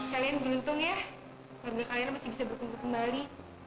kalian beruntung ya warga kalian masih bisa bertumbuh kembali